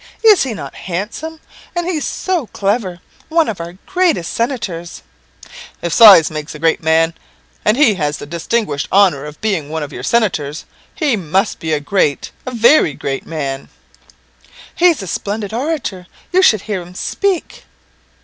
is he not handsome! and he's so clever one of our greatest senators." "If size makes a man great, and he has the distinguished honour of being one of your senators, he must be a great a very great man. "He's a splendid orator; you should hear him speak."